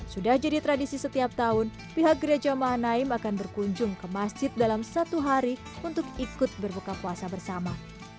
sudah jadi tradisi setiap tahun pihak gereja mahanaim akan berkunjung ke masjid dalam satu hari untuk ikut berbuka puasa bersama